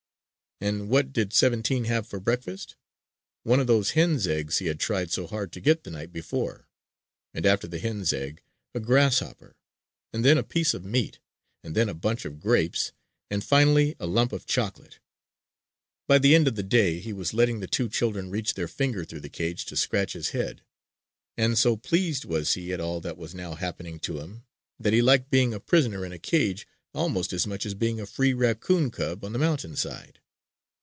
And what did "Seventeen" have for breakfast? One of those hen's eggs he had tried so hard to get the night before. And after the hen's egg, a grasshopper, and then a piece of meat, and then a bunch of grapes and finally a lump of chocolate! By the end of the day, he was letting the two children reach their finger through the cage to scratch his head; and so pleased was he at all that was now happening to him that he liked being a prisoner in a cage almost as much as being a free raccoon cub on the mountain side.